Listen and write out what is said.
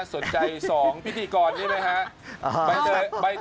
สนใจ๒พิธีกรนี้ไหมฮะ